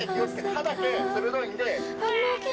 歯だけ鋭いんで。